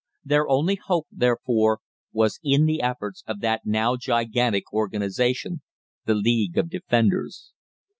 Their only hope, therefore, was in the efforts of that now gigantic organisation, the League of Defenders.